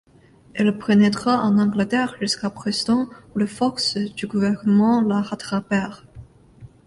Elle pénétra en Angleterre jusqu'à Preston, où les forces du gouvernement la rattrapèrent.